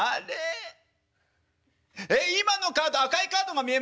えっ今のカード赤いカードが見えます？